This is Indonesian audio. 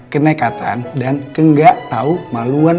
kenekatan dan kegag tau maluan